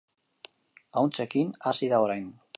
Ahuntzekin hasi da orain.